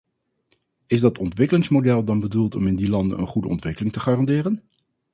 Is dat ontwikkelingsmodel dan bedoeld om in die landen een goede ontwikkeling te garanderen?